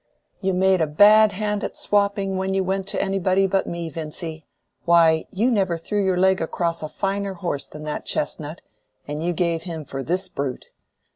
"You made a bad hand at swapping when you went to anybody but me, Vincy! Why, you never threw your leg across a finer horse than that chestnut, and you gave him for this brute.